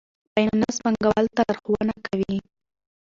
فینانس پانګوالو ته لارښوونه کوي.